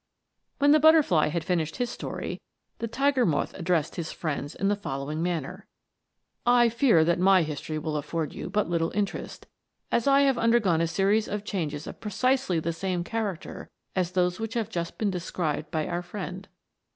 147 When the butterfly had finished his story, the tiger moth addressed his friends in the following manner :" I fear that my history will afford you but little interest, as I have undergone a series of changes of precisely the same character as those which have just been described by our friend.